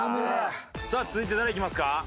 さあ続いて誰いきますか？